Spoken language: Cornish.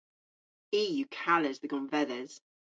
I yw kales dhe gonvedhes.